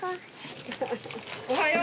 おはよう。